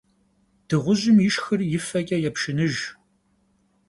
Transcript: Dığujım yişşxır yi feç'e yêpşşınıjj.